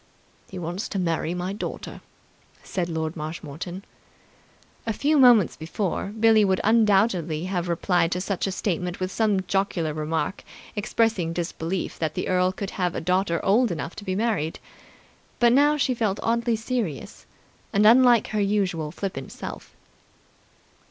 "He wants to marry my daughter," said Lord Marshmoreton. A few moments before, Billie would undoubtedly have replied to such a statement with some jocular remark expressing disbelief that the earl could have a daughter old enough to be married. But now she felt oddly serious and unlike her usual flippant self.